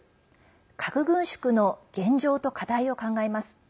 核軍縮の現状と課題を考えます。